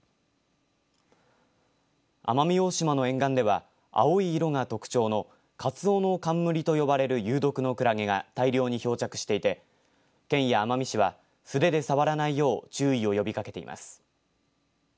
奄美大島の沿岸では青い色が特徴のカツオノカンムリと呼ばれる有毒のクラゲが大量に漂着していて県や奄美市は素手で触らないよう注意を呼びかけています。